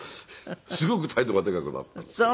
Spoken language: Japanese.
すごく態度がでかくなったんですけど。